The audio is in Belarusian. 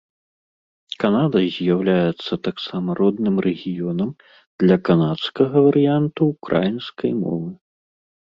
Канада з'яўляецца таксама родным рэгіёнам для канадскага варыянту ўкраінскай мовы.